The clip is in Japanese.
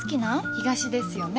東ですよね？